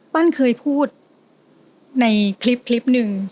ปั้นเคยพูดในคลิปนึง